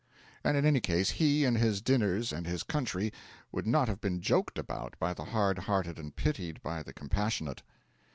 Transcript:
And in any case, he and his dinners and his country would not have been joked about by the hard hearted and pitied by the compassionate.